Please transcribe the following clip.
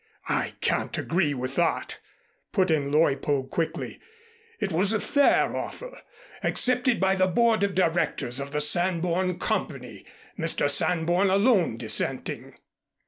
"I can't agree with that," put in Leuppold quickly. "It was a fair offer, accepted by the Board of Directors of the Sanborn Company, Mr. Sanborn alone dissenting."